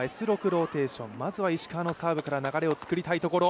ローテーションまずは石川から流れを作りたいところ。